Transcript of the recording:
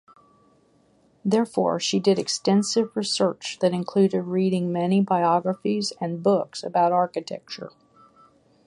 Therefore, she did extensive research that included reading many biographies and books about architecture.